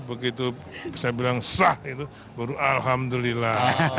begitu saya bilang sah itu baru alhamdulillah